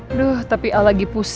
aduh tapi al lagi pusingnya